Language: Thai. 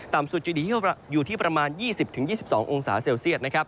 สุดจะดีอยู่ที่ประมาณ๒๐๒๒องศาเซลเซียต